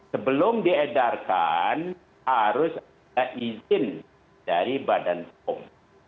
sebelum diedarkan harus ada izin dari badan pom